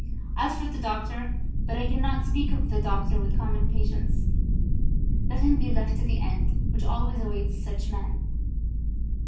As for the doctor but I cannot speak of the doctor with common patience. Let him be left to the end which always awaits such men.